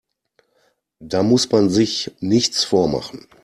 Da muss man sich nichts vormachen.